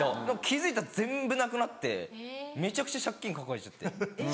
気付いたら全部なくなってめちゃくちゃ借金抱えちゃって。